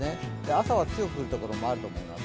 朝は強く降る所もあると思います。